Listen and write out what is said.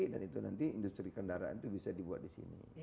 dan itu nanti industri kendaraan itu bisa dibuat disini